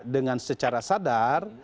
dengan secara sadar